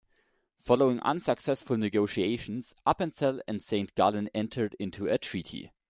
Following unsuccessful negotiations Appenzell and Saint Gallen entered into a treaty.